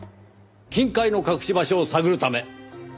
金塊の隠し場所を探るため。